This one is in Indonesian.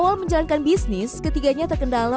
karena menurut lingkungan yang di asuhan tacos